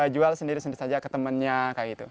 jual sendiri sendiri saja ke temannya